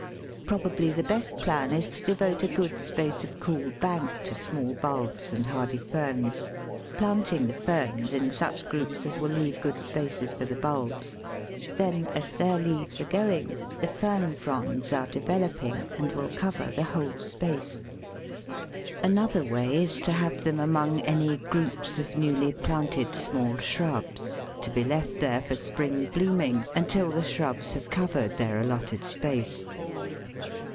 Probably the best plan is to devote a good space of cool bank to small bulbs and hardy ferns, planting the ferns in such groups as will leave good spaces for the bulbs; then as their leaves are going the fern fronds are developing and will cover the whole space. Another way is to have them among any groups of newly planted small shrubs, to be left there for spring blooming until the shrubs have covered their allotted space.